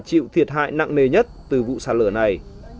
chịu thiệt hại nặng nề nhất từ vụ sạt lở này